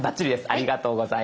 ありがとうございます。